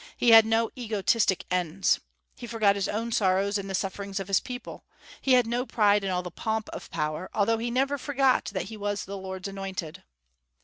He had no egotistic ends. He forgot his own sorrows in the sufferings of his people. He had no pride in all the pomp of power, although he never forgot that he was the Lord's anointed.